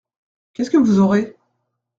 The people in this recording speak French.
Qu’est-ce que vous aurez ?